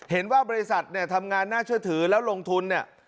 บริษัทเนี่ยทำงานน่าเชื่อถือแล้วลงทุนเนี่ย